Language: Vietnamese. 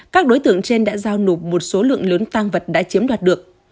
các đối tượng trên đã giao nộp một số lượng lớn tăng vật đã chiếm đoạt được